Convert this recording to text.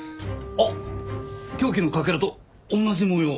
あっ凶器のかけらと同じ模様。